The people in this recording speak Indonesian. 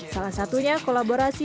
salah satunya kolaborasi